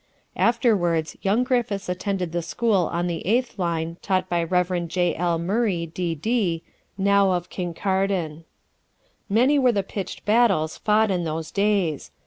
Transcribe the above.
Afterwards young Griffiths attended the school on the 8th line taught by Rev. J. L. Murray, D.D., now of Kincardine. Many were the pitched battles fought in those days.